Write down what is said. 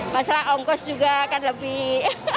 masalah ongkos juga akan lebih